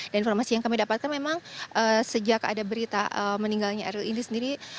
dan informasi yang kami dapatkan memang sejak ada berita meninggalnya eril ini sendiri